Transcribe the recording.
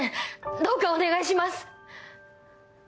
どうかお願いします。